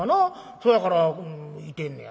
そやからうん居てんねや。